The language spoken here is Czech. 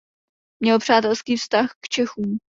Měl přátelský vztah k Čechům.